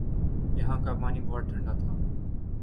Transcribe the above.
یہاں کا پانی بہت ٹھنڈا تھا ۔